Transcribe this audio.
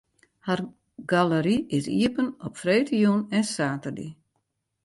Har galery is iepen op freedtejûn en saterdei.